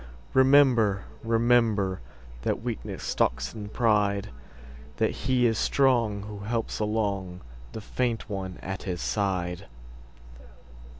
Remember, rememberThat weakness stalks in pride; That he is strong who helps alongThe faint one at his side.